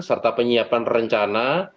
serta penyiapan rencana